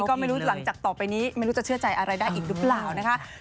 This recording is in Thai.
ก็ไม่รู้หลังจากต่อไปนี้ไม่รู้จะเชื่อใจอะไรได้อีกหรือเปล่านะคะ